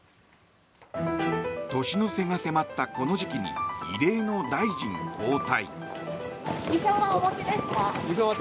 年の瀬が迫ったこの時期に異例の大臣交代。